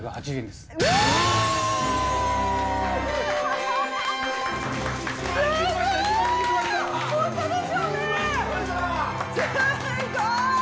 すごい！